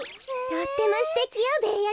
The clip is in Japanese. とってもすてきよベーヤ